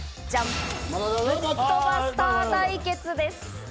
ブットバスター対決です。